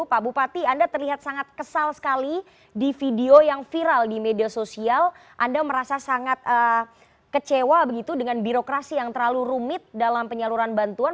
pak bupati anda terlihat sangat kesal sekali di video yang viral di media sosial anda merasa sangat kecewa begitu dengan birokrasi yang terlalu rumit dalam penyaluran bantuan